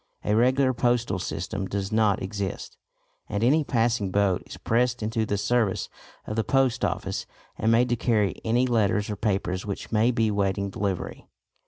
A regular postal system does not exist, and any passing boat is pressed into the service of the Post Office and made to carry any letters or papers which may be waiting delivery.